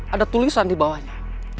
ada tulisan di bawahnya